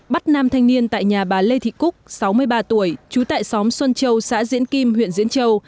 bắt nam thanh niên tại nhà bà lê thị cúc sáu mươi ba tuổi trú tại xóm xuân châu xã diễn kim huyện diễn châu